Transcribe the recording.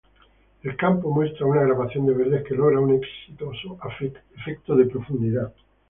El campo muestra una gradación de verdes que logra un exitoso efecto de profundidad.